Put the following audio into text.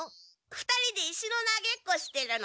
２人で石の投げっこしてるの。